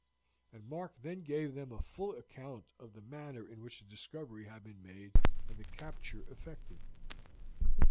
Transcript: And Mark then gave them a full account of the manner in which the discovery had been made and the capture effected.